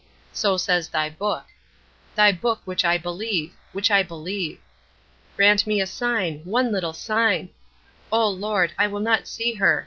So says Thy Book. Thy Book which I believe which I believe. Grant me a sign one little sign, O Lord! I will not see her.